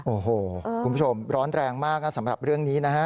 โอ้โหคุณผู้ชมร้อนแรงมากนะสำหรับเรื่องนี้นะฮะ